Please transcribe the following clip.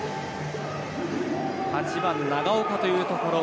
８番、長岡というところ。